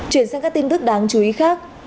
chuyển sang các tin tức đáng chú ý khác